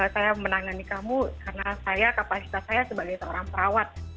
saya menangani kamu karena saya kapasitas saya sebagai seorang perawat